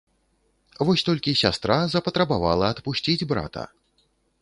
Вось толькі сястра запатрабавала адпусціць брата.